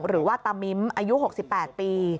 หรือว่าตามิ้มอายุ๖๘ปี